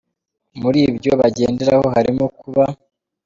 Muri ibyo bagenderaho harimo kuba.